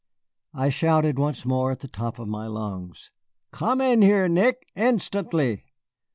I shouted once more at the top of my lungs: "Come in here, Nick, instantly!"